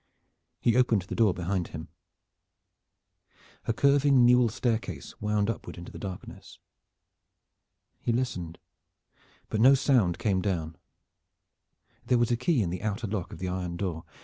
He opened the door behind him. A curving newel staircase wound upward into the darkness. He listened, but no sound came down. There was a key in the outer lock of the iron door.